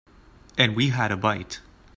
And we had a bite.